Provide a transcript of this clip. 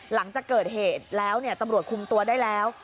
หลังจากเกิดเหตุแล้วตำรวจคุมตัวได้แล้ว